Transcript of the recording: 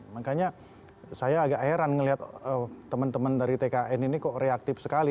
makanya saya agak heran melihat teman teman dari tkn ini kok reaktif sekali